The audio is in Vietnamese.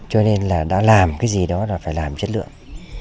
cho nên là đã làm cái gì đó là phải làm chất lượng